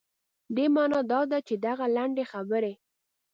دې معنا دا ده چې دغه لنډې خبرې.